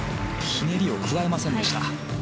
ひねりを加えませんでした。